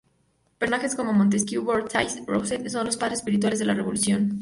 Personajes como Montesquieu, Voltaire y Rousseau son los padres espirituales de la revolución.